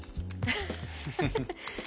ハハハ。